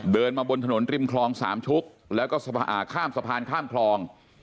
เดินมาบนถนนริมคลองสามชุกแล้วก็ข้ามสะพานข้ามคลอง